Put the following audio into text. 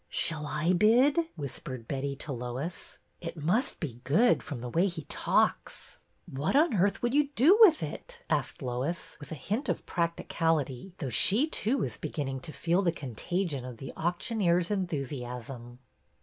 Shall I bid? '' whispered Betty to Lois. It must be good, from the way he talks.'' 140 BETTY BAIRD'S VENTURES What on earth would you do with it ?" asked Lois, with a hint of practicality, though she too was beginning to feel the contagion of the auctioneer's enthusiasm.